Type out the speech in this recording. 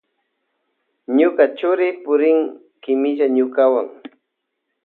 Ñuka churi purin kimilla ñukawan.